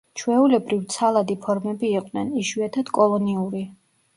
ჩვეულებრივ ცალადი ფორმები იყვნენ, იშვიათად კოლონიური.